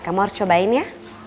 kamu harus cobain ya